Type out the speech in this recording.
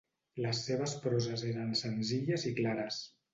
Les seves proses eren senzilles i clares.